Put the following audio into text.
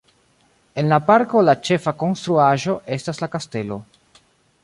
En la parko la ĉefa konstruaĵo estas la kastelo.